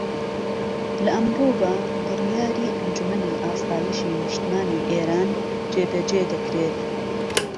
لە ئەمرۆوە بڕیاری ئەنجومەنی ئاسایشی نیشتمانی ئێران جێبەجێ دەكرێت